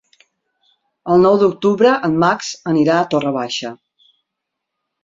El nou d'octubre en Max anirà a Torre Baixa.